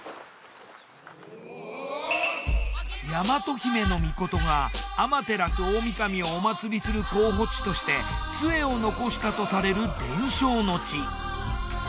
倭姫命が天照大神をお祀りする候補地として杖を残したとされる伝承の地。